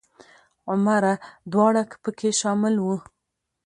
عمره دواړه په کې شامل وو.